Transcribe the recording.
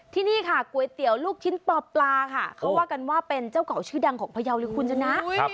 ที่นี่ค่ะก๋วยเตี๋ยวลูกชิ้นปลาค่ะเขาว่ากันว่าเป็นเจ้าเก่าชื่อดังของพยาวเลยคุณชนะ